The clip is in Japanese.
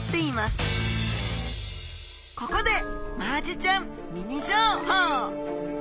ここでマアジちゃんミニ情報。